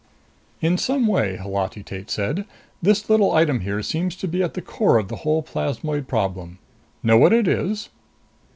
"In some way," Holati Tate said, "this little item here seems to be at the core of the whole plasmoid problem. Know what it is?"